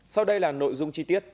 sau đây là nội dung chi tiết